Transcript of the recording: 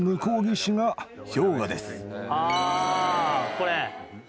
これ。